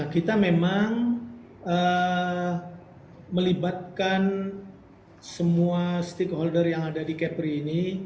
kita memang melibatkan semua stakeholder yang ada di kepri ini